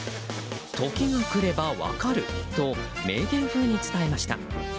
時が来れば分かると名言風に伝えました。